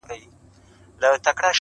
• چي پر غولي د ماتم ووايی ساندي -